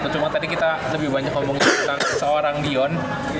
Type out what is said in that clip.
cuma tadi kita lebih banyak ngomong tentang seorang dion